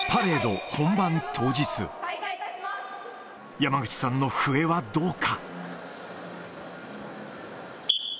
山口さんの笛はどうか。